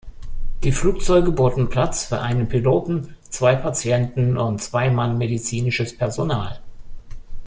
Die Flugzeuge boten Platz für einen Piloten, zwei Patienten und zwei Mann medizinisches Personal.